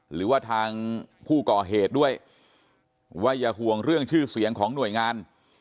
หรือว่าทางผู้ก่อเหตุด้วยว่าอย่าห่วงเรื่องชื่อเสียงของหน่วยงาน